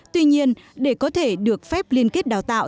tuy nhiên để có thể được phép liên kết đào tạo